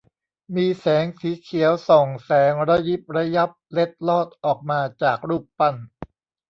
มีแสงสีเขียวส่องแสงระยิบระยับเล็ดลอดออกมาจากรูปปั้น